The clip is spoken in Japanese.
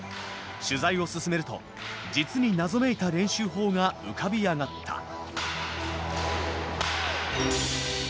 取材を進めると実に謎めいた練習法が浮かび上がった。